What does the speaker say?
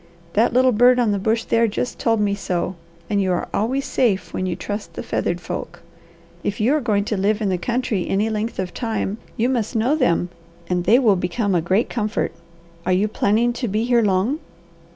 That little bird on the bush there just told me so, and you are always safe when you trust the feathered folk. If you are going to live in the country any length of time, you must know them, and they will become a great comfort. Are you planning to be here long?"